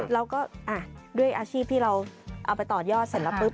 แล้วก็ด้วยอาชีพที่เราเอาไปต่อยอดเสร็จแล้วปุ๊บ